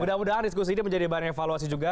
mudah mudahan diskusi ini menjadi bahan evaluasi juga